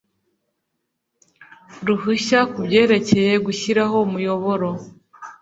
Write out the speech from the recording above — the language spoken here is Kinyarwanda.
ruhushya ku byerekeye gushyiraho umuyoboro